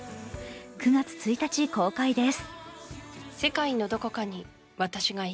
９月１日公開です。